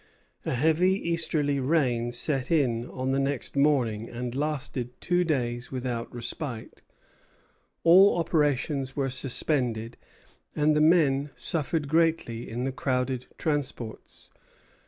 A heavy easterly rain set in on the next morning, and lasted two days without respite. All operations were suspended, and the men suffered greatly in the crowded transports.